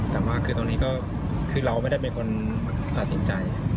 แต่ว่าคือตอนนี้ก็คือเราไม่ได้เป็นคนตัดสินใจ